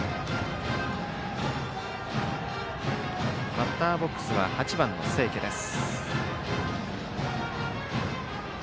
バッターボックスには８番の清家です。